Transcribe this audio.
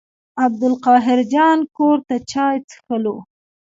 عبدالقاهر جان کور ته چای څښلو.